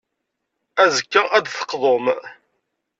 Azekka, ad d-teqḍum.